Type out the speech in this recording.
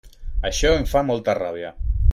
Això em fa molta ràbia.